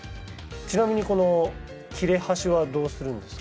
ちなみにこの切れ端はどうするんですか？